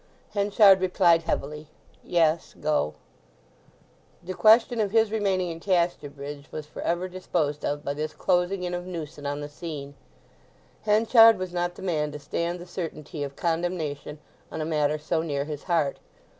Henchard replied heavily, "Yes; go." The question of his remaining in Casterbridge was for ever disposed of by this closing in of Newson on the scene. Henchard was not the man to stand the certainty of condemnation on a matter so near his heart.